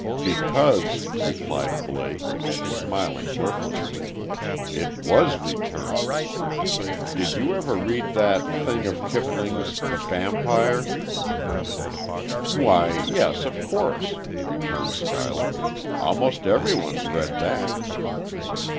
"Because," replied Blake, smiling mirthlessly "it was returned.... Did you ever read that! thing of Kipling's, The Vampire?" "Why, yes, of course," returned Schuyler. "Almost everyone's read that."